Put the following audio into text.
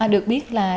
được biết là